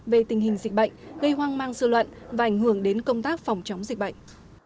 về tình hình dịch bệnh gây hoang mang sự luận và ảnh hưởng đến công tác phòng chống dịch bệnh